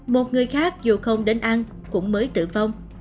một người khác dù không đến ăn cũng mới tử vong